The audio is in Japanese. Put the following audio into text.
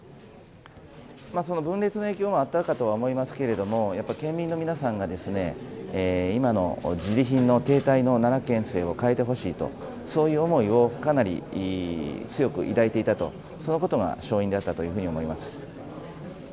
分裂の影響もあったかとは思いますけれども、やっぱ県民の皆さんが、今のじり貧の、停滞の奈良県政を変えてほしいと、そういう思いをかなり強く抱いていたと、そのことが勝因だったというふうに思います。